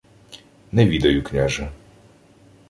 — Не відаю, княже.